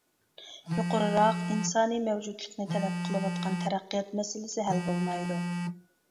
يۇقىرىراق ئىنسانىي مەۋجۇتلۇقنى تەلەپ قىلىۋاتقان تەرەققىيات مەسىلىسى ھەل بولمايدۇ.